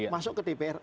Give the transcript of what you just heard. masuk ke dpr